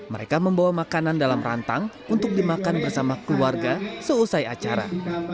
mereka membawa makanan dalam rantang untuk dimakan bersama keluarga seusai acara